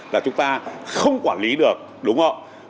là chúng ta không quản lý được đúng không